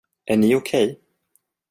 Är ni okej?